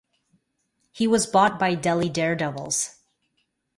He was bought by Delhi Daredevils.